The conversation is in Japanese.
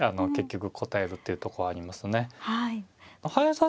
結局答えるっていうとこありますね。